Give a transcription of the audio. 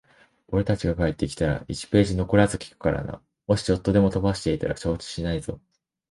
俺たちが帰ってきたら、一ページ残らず聞くからな。もしちょっとでも飛ばしていたら承知しないぞ。